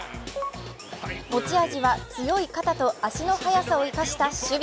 持ち味は強い肩と足の速さを生かした守備。